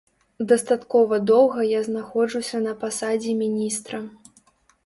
Дастаткова доўга я знаходжуся на пасадзе міністра.